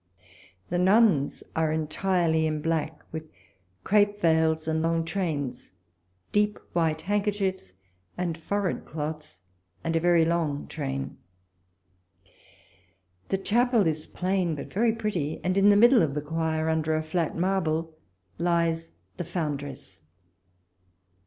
Tlu> nuns are en tirely in black, with crape veils and long trains, deep white handkerchiefs, and forehead cloths, and a very long train. The chapel is plain but very pretty, and in the middle of the choir under a flat marble lies the foundress.